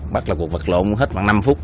bắt là cuộc vật lộn hết khoảng năm phút